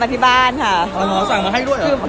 เพราะว่าตอนแรกเขาไม่ยอมบอก